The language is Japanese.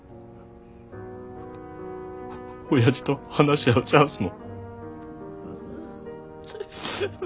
おやじと話し合うチャンスも。